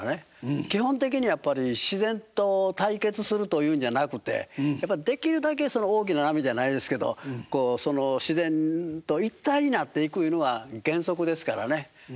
基本的にやっぱり自然と対決するというんじゃなくてできるだけ大きな波じゃないですけど自然と一体になっていくいうのが原則ですからね。